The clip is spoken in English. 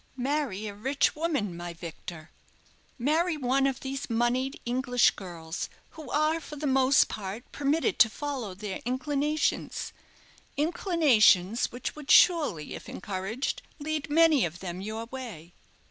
"Marry a rich woman, my Victor; marry one of these moneyed English girls, who are, for the most part, permitted to follow their inclinations inclinations which would surely, if encouraged, lead many of them your way."